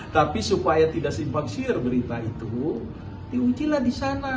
tapi supaya tidak simpang siur berita itu diujilah di sana